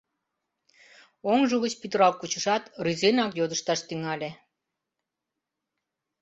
Оҥжо гыч пӱтырал кучышат, рӱзенак йодышташ тӱҥале.